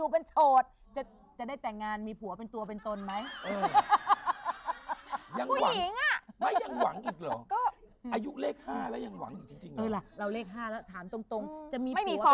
เมฆ๕แล้วถามตรงจะมีผัวเป็นตัวเป็นตนไหม